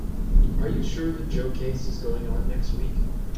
Are you sure that Joe case is going on next week?